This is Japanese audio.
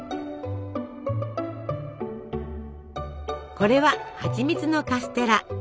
これははちみつのカステラ。